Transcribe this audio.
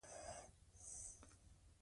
حل اسانه نه دی.